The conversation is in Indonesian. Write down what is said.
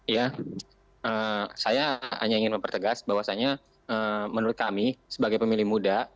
ya saya hanya ingin mempertegas bahwasannya menurut kami sebagai pemilih muda